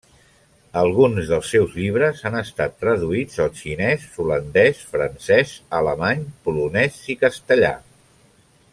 Alguns dels seus llibres han estat traduïts al xinès, holandès, francès, alemany, polonès i castellà.